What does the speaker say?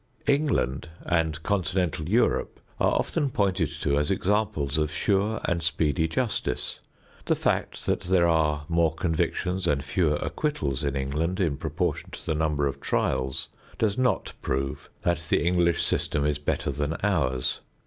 England and Continental Europe are often pointed to as examples of sure and speedy justice. The fact that there are more convictions and fewer acquittals in England in proportion to the number of trials does not prove that the English system is better than ours.